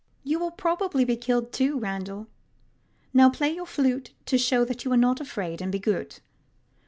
You will probably be killed, too, Randall. Now play your flute to show that you are not afraid; and be good.